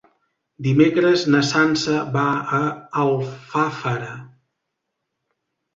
Dimecres na Sança va a Alfafara.